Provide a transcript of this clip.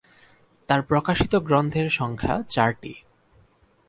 তার প্রকাশিত গ্রন্থের সংখ্যা চারটি।